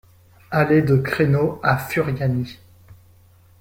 Allée de Creno à Furiani